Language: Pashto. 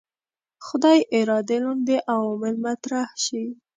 خدای ارادې لاندې عوامل مطرح شي.